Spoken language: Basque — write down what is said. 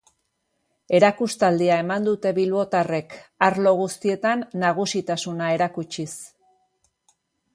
Erakustaldia eman dute bilbotarrek, arlo guztietan nagusitasuna erakutsiz.